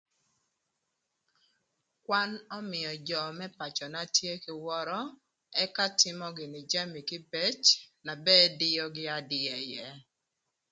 Kwan ömïö jö më pacöna tye kï wörö ëka tïmö gïnï jami kïbëc na ba ëdïögï adïa ïë.